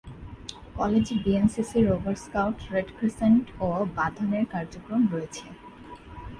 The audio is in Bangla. কলেজে বিএনসিসি, রোভার স্কাউট, রেডক্রিসেন্ট ও বাঁধন-এর কার্যক্রম রয়েছে।